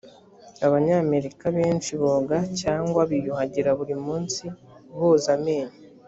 abanyamerika benshi boga cyangwa biyuhagira buri munsi boza amenyo